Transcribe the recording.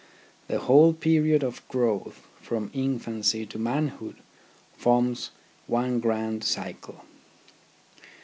The whole period of growth from infancy to manhood forms one grand cycle.